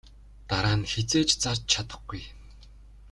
Дараа нь хэзээ ч зарж чадахгүй.